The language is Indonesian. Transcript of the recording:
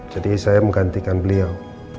jadi saya menggantikan beliau